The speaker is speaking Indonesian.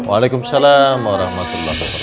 waalaikumsalam warahmatullahi wabarakatuh